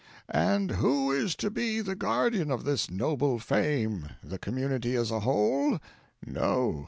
"And who is to be the guardian of this noble fame the community as a whole? No!